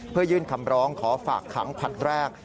เพื่อยื่นคำร้องขอฝากขังผลัดแรก